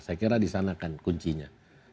saya kira di sana kan kuncinya